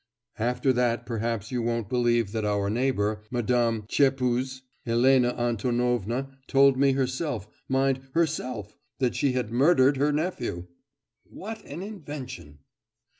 After that perhaps you won't believe that our neighbour, Madame Tchepuz, Elena Antonovna, told me herself, mind herself, that she had murdered her nephew?' 'What an invention!